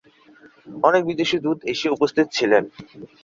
অনেক বিদেশি দূত এতে উপস্থিত ছিলেন।